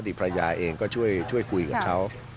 ภรรยาเองก็ช่วยคุยกับเขา